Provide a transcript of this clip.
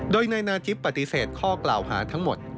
โดยในนาจิปปฏิเสธข้อกล่าวหาทั้งหมด